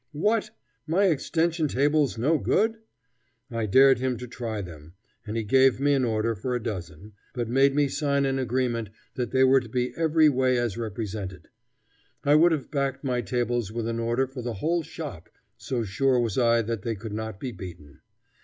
What! my extension tables no good? I dared him to try them, and he gave me an order for a dozen, but made me sign an agreement that they were to be every way as represented. I would have backed my tables with an order for the whole shop, so sure was I that they could not be beaten.